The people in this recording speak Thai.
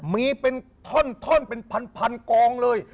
มีเป็นท่อนเป็นพันกองเลย